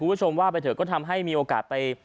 คุณผู้ชมว่าไปเถอะก็ทำให้มีโอกาสไป